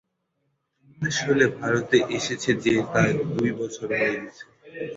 আসলে, ভারতে এসেছে যে তার দুই বছর হয়ে গেছে।